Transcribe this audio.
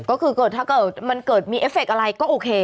ก็คือถ้ามันเกิดมีเอฟเฟคอะไรก็โอเค